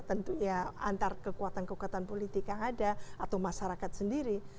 tentu ya antar kekuatan kekuatan politik yang ada atau masyarakat sendiri